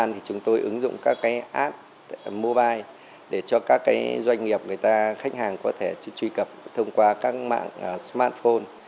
thứ ba thì chúng tôi ứng dụng các cái app mobile để cho các cái doanh nghiệp khách hàng có thể truy cập thông qua các mạng smartphone